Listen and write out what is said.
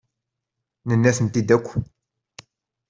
Nenna-tent-id akk.